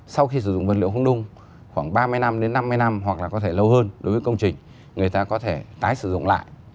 sau khi sử dụng vật liệu không nung khoảng ba mươi năm đến năm mươi năm hoặc là có thể lâu hơn đối với công trình người ta có thể tái sử dụng lại